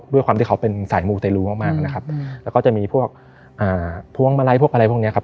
ด้วยความที่เขาเป็นสายมูเตรลูมากนะครับแล้วก็จะมีพวกพวงมาลัยพวกอะไรพวกนี้ครับ